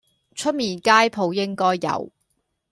出面街舖應該有